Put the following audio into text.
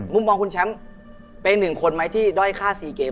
มุมมองคุณแชมป์เป็นหนึ่งคนไหมที่ด้อยค่า๔เกม